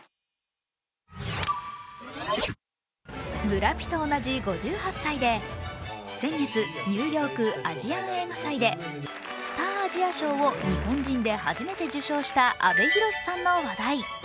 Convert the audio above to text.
ブラピと同じ５８歳で、先月ニューヨーク・アジアン映画祭でスター・アジア賞を日本人で初めて受賞した阿部寛さんの話題。